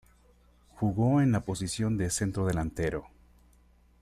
Jugó en la posición de centrodelantero.